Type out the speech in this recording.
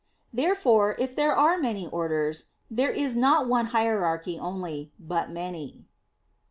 Therefore, if there are many orders, there is not one hierarchy only, but many.